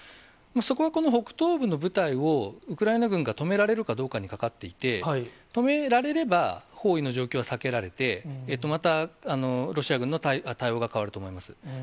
そこはこの北東部の部隊を、ウクライナ軍が止められるかどうかにかかっていて、止められれば、包囲の状況は避けられて、またロシア軍の対応が変わると思います。